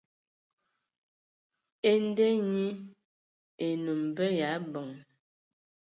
E nda nyi e nə mbə ya abəŋ.